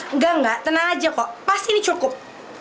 enggak enggak tenang aja kok pasti ini cukup